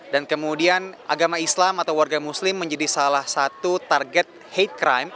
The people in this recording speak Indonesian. dan kemudian agama islam atau warga muslim menjadi salah satu target hate crime